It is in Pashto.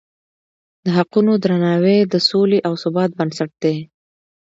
د حقونو درناوی د سولې او ثبات بنسټ دی.